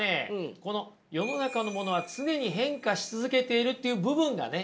この「世の中のものは常に変化し続けている」っていう部分がね